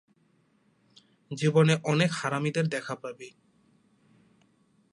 জীবনে অনেক হারামিদের দেখা পাবি।